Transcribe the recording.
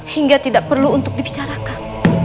hingga tidak perlu untuk dibicarakan